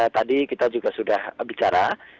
tadi kita juga sudah bicara